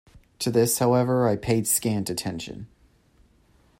To this, however, I paid scant attention.